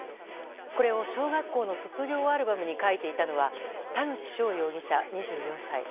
これを小学校の卒業アルバムに書いていたのは田口翔容疑者、２４歳。